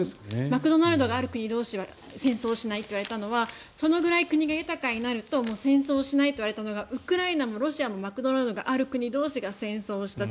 マクドナルドがある国同士は戦争はしないって言われたのはそのくらい国が豊かになると戦争しないといわれたのがウクライナもロシアもマクドナルドがある国同士が戦争をした。